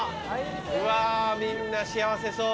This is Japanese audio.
うわみんな幸せそう。